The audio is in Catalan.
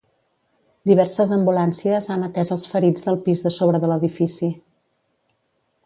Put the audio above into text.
Diverses ambulàncies han atès els ferits del pis de sobre de l’edifici.